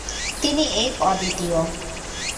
তিনি এক, অদ্বিতীয়।